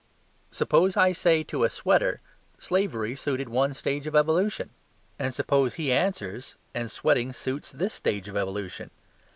Suppose I say to a sweater, "Slavery suited one stage of evolution." And suppose he answers, "And sweating suits this stage of evolution."